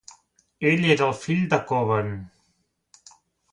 Ell era el fill de Coban.